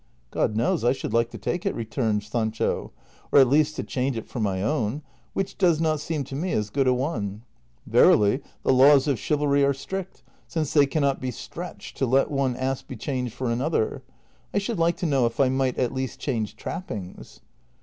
" God knows I should like to take it," returned Sancho, " or at least to change it for my own, which does not seem to me as good a one ; verily the laws of chivalry are strict, since they can not be stretched to let one ass be changed for another ; I should like to know if I might at least change trappings."